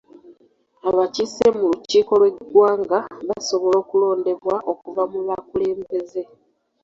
Abakiise mu lukiiko lw'eggwanga basobola okulondebwa okuva mu bukulembeze.